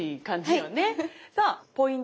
さあポイント